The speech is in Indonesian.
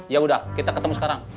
ya udah kita ketemu sekarang